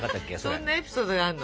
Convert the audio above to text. そんなエピソードがあるの？